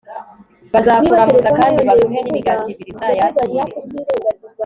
bazakuramutsa kandi baguhe n'imigati ibiri: uzayakire